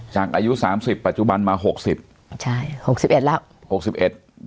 อายุสามสิบปัจจุบันมาหกสิบใช่หกสิบเอ็ดแล้วหกสิบเอ็ด